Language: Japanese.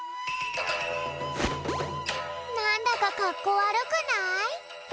なんだかかっこわるくない？